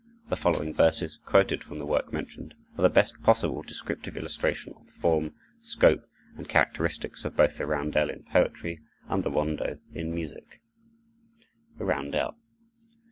The following verses, quoted from the work mentioned, are the best possible descriptive illustration of the form, scope, and characteristics of both the roundel in poetry and the rondo in music: "THE ROUNDEL.